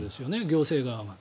行政側が。